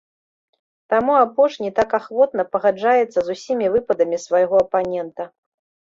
Таму апошні так ахвотна пагаджаецца з усімі выпадамі свайго апанента.